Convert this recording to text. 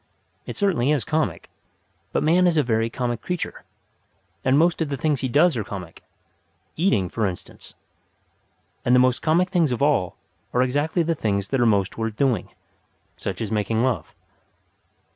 It certainly is comic; but man is a very comic creature, and most of the things he does are comic eating, for instance. And the most comic things of all are exactly the things that are most worth doing such as making love.